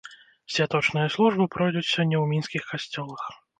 Святочныя службы пройдуць сёння ў мінскіх касцёлах.